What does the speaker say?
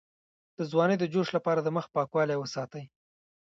د ځوانۍ د جوش لپاره د مخ پاکوالی وساتئ